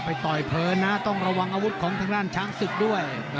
ต่อยเพลินนะต้องระวังอาวุธของทางด้านช้างศึกด้วย